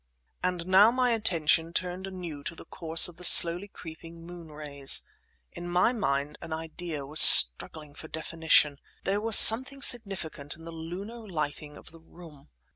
And now my attention turned anew to the course of the slowly creeping moon rays. In my mind an idea was struggling for definition. There was something significant in the lunar lighting of the room.